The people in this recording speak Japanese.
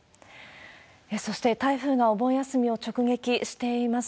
そして、台風がお盆休みを直撃しています。